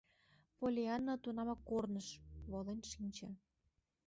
— Поллианна тунамак корныш! волен шинче.